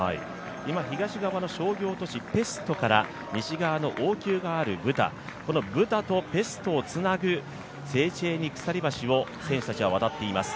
今、東側の商業都市ペストから西側の王宮があるブダ、このブダとペストをつなぐセーチェーニ鎖橋を選手たちは走ります。